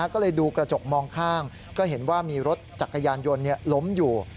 ก็เลยดูกระจกมองข้างก็เห็นว่ามีรถจักรยานยนต์ล้มอยู่